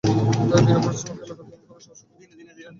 তাই বিনা পারিশ্রমিকে এলাকার কোন কোন অসফল ছাত্রকে পড়াতাম।